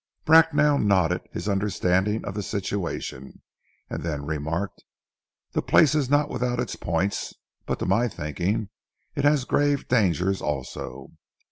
Bracknell nodded his understanding of the situation, and then remarked. "The place is not without its points but to my thinking it has grave dangers also.